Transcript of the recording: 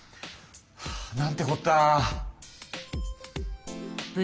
はぁなんてこった！